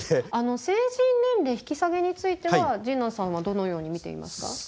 成人年齢引き下げについては神内さんはどのように見ていますか？